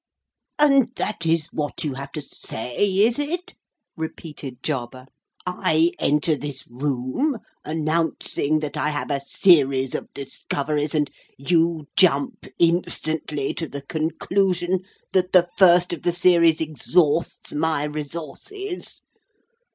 "And that is what you have to say, is it?" repeated Jarber. "I enter this room announcing that I have a series of discoveries, and you jump instantly to the conclusion that the first of the series exhausts my resources.